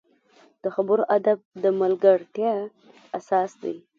د خبرو ادب د ملګرتیا اساس دی